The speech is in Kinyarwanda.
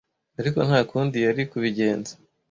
ariko nta kundi yari kubigenza.